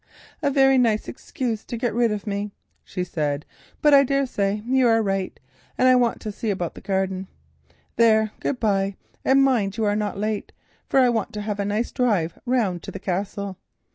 "A very nice excuse to get rid of me," she said, "but I daresay you are right, and I want to see about the garden. There, good bye, and mind you are not late, for I want to have a nice drive round to the Castle.